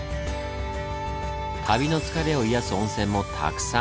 旅の疲れを癒やす温泉もたくさん！